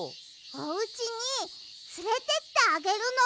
おうちにつれてってあげるの。